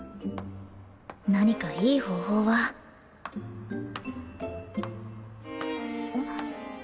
何かいい方法はん？